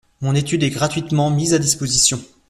Mon étude est gratuitement mise à disposition.